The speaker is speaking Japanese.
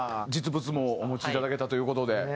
実物もお持ちいただけたという事で。